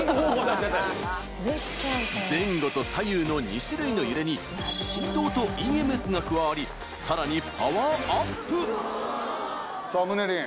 前後と左右の２種類の揺れに振動とＥＭＳが加わりさらにパワーアップさぁムネリン